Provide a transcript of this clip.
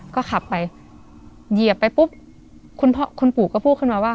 ก็ขับไปเหยียบไปปุ๊บคุณพ่อคุณปู่ก็พูดขึ้นมาว่า